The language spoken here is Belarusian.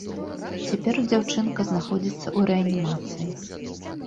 Цяпер дзяўчынка знаходзіцца ў рэанімацыі.